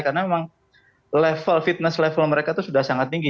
karena memang level fitness mereka itu sudah sangat tinggi